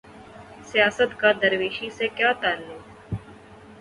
سیاست کا درویشی سے کیا تعلق؟